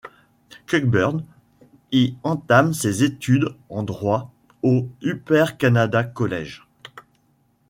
Cockburn y entame ses études en droit au Upper Canada College.